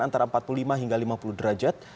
antara empat puluh lima hingga lima puluh derajat